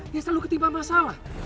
yang selalu ketiba masalah